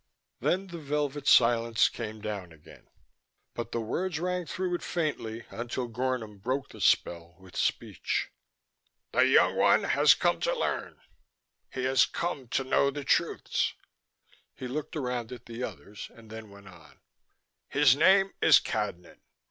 Then the velvet silence came down again, but the words rang through it faintly until Gornom broke the spell with speech. "The young one has come to learn. He has come to know the truths." He looked around at the others and then went on: "His name is Cadnan.